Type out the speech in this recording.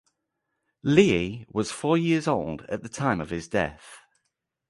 Leahy was four years old at the time of his death.